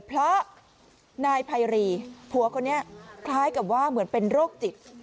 เพราะนายไพรีผัวคนนี้คล้ายกับว่าเหมือนเป็นโรคจิต